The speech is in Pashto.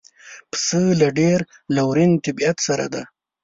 پسه له ډېر لورین طبیعت سره دی.